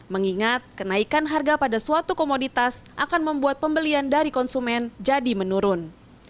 mengingat kenaikan harga pada suatu komoditas akan membuat pembelian dari konsumen jadi menurun